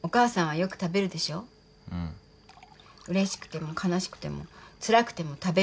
うれしくても悲しくてもつらくても食べるの。